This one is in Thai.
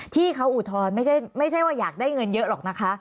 ที่เขาอุทธรณ์ไม่ใช่ว่าอยากได้เงินเยอะหรอกนะคะ